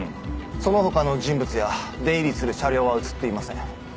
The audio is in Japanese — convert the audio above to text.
その他の人物や出入りする車両は映っていません。